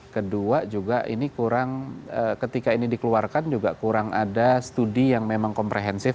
kedua juga ini kurang ketika ini dikeluarkan juga kurang ada studi yang memang komprehensif